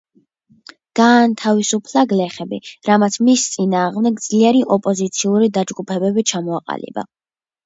გაათავისუფლა გლეხები, რამაც მის წინააღმდეგ ძლიერი ოპოზიციური დაჯგუფებები ჩამოაყალიბა.